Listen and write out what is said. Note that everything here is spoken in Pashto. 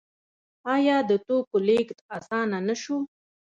آیا د توکو لیږد اسانه نشو؟